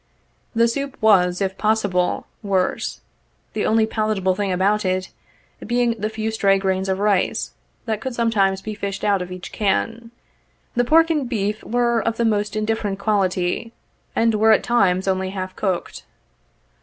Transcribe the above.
The soup was, if possible, worse, the only palatable thing about it being the few stray grains of rice that could sometimes be fished out of each can. The pork and beef were of the most indifferent quality, and were at times only half cooked.